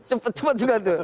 cepat juga tuh